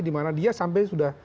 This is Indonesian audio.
dimana dia sampai sudah